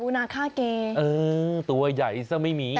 ปูนาค่าเก่วตัวยใหญ่ใส่ไม่มี